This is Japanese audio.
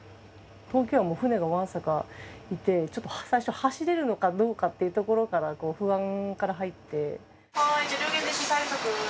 東京湾は船がわんさかいて、ちょっと最初、走れるのかどうかっていうところから、不安から入って。